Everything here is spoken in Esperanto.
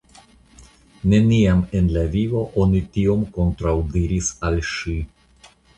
Neniam en la vivo oni tiom kontraŭdiris al ŝi.